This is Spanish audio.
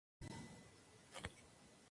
Participó de la Conquista del Desierto.